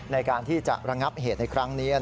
ในการที่จะระงับเหตุในครั้งนี้